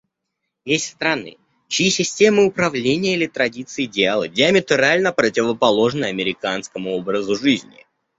Есть страны, чьи системы управления или традиции и идеалы диаметрально противоположны американскому образу жизни.